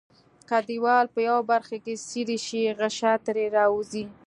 که دیوال په یوه برخه کې څیري شي غشا ترې راوځي.